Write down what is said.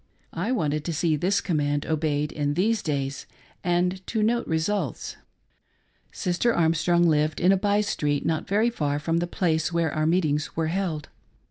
I wanted to see this command obeyed in these days, and to note results. Sister Armstrong lived in a by street not very far from the ■place where our meetings were held.